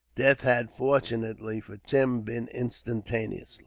Death had, fortunately for Tim, been instantaneous.